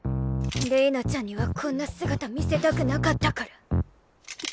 れいなちゃんにはこんな姿見せたくなかったから。